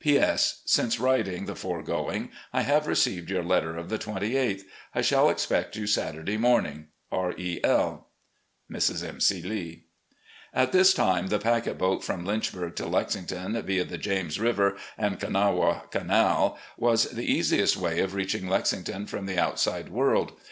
"P. S. — Since writing the foregoing I have received your letter of the 28th. I shall expect you Saturday morning. R. E. L. "Mrs. M. C. Lee." At this time the packet boat from Lynchburg to Lexington, via the James River and Kanawha Canal, was THE IDOL OP THE SOUTH 203 the easiest way of reaching Lexington from the outside world.